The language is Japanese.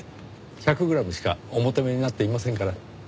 １００グラムしかお求めになっていませんから。